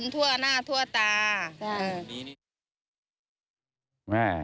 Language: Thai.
ทั่วหน้าทั่วตา